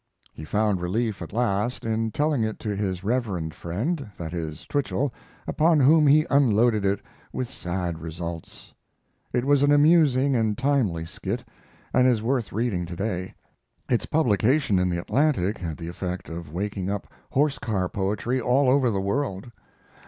He found relief at last in telling it to his reverend friend, that is, Twichell, upon whom he unloaded it with sad results. It was an amusing and timely skit, and is worth reading to day. Its publication in the Atlantic had the effect of waking up horse car poetry all over the world.